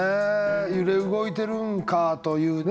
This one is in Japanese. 揺れ動いてるんかというね。